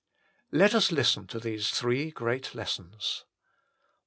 " Let us listen to these three great lessons.